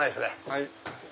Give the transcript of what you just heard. はい。